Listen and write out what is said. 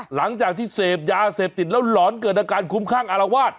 หลังจากที่เสพยาเสพติดแล้วหลอนเกิดอาการคุ้มข้างอารวาส